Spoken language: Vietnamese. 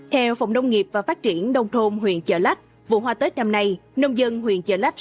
theo phòng nông nghiệp và phát triển đông thôn huyện chợ lách vụ hoa tết năm nay nông dân huyện chợ lách